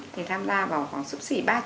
thì tham gia vào khoảng súc sỉ ba trăm linh